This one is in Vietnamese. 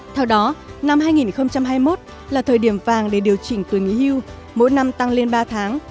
theo đó năm hai nghìn hai mươi một là thời điểm vàng để điều chỉnh tuổi nghỉ hưu mỗi năm tăng lên ba tháng